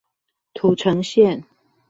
土城線